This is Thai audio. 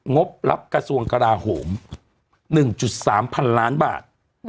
งบรับกระทรวงกราโหม๑๓๐๐๐ล้านบาท